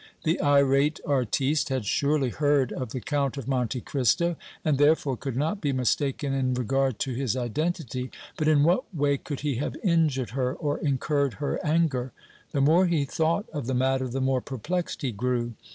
The irate artiste had surely heard of the Count of Monte Cristo and, therefore, could not be mistaken in regard to his identity, but in what way could he have injured her or incurred her anger? The more he thought of the matter the more perplexed he grew.